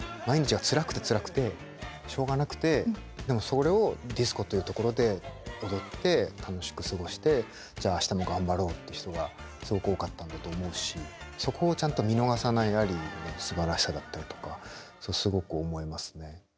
毎日がつらくてつらくてしょうがなくてでもそれをディスコという所で踊って楽しく過ごしてじゃあ明日も頑張ろうっていう人がすごく多かったんだと思うしそこをちゃんと見逃さないアリーのすばらしさだったりとかすごく思いますね。